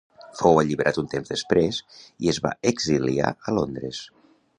Fou alliberat un temps després i es va exiliar a Londres.